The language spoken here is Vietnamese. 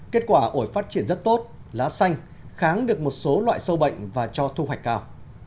kết quả ổi phát triển rất tốt lá xanh kháng được một số loại sâu bệnh và cho thu hoạch cao